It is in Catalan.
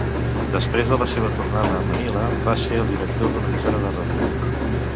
Després de la seva tornada a Manila, va ser el director d"una emissora de ràdio.